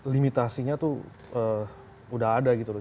limitasinya tuh udah ada gitu loh